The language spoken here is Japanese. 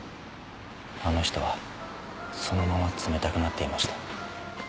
あの人はそのまま冷たくなっていました。